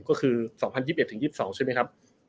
ก็คือ๒๐๒๑๒๒ใช่ไหมครับ